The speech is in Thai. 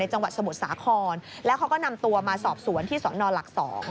จังหวัดสมุทรสาครแล้วเขาก็นำตัวมาสอบสวนที่สนหลัก๒